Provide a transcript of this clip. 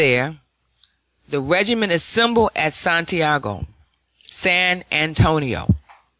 The regiment assembled at San Antonio.